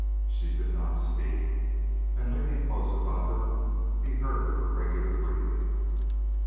She did not speak, and, leaning close above her, he heard her regular breathing.